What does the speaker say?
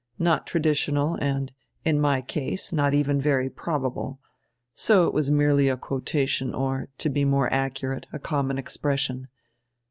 Not traditional and, in my case, not even very probable. So it was merely a quotation, or, to be more accurate, a common expression.